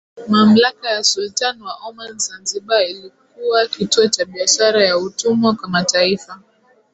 mamlaka ya Sultan wa Oman Zanzibar ilikuwa kituo cha biashara ya utumwa kwa mataifa